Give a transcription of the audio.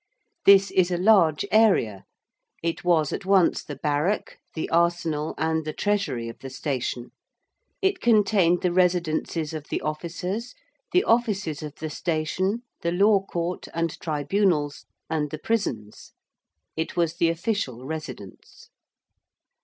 This is a large area: it was at once the barrack, the arsenal, and the treasury of the station; it contained the residences of the officers, the offices of the station, the law court and tribunals, and the prisons; it was the official residence.